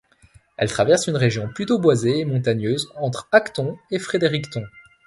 Elle traverse une région plutôt boisée et montagneuse, entre Acton et Fredericton.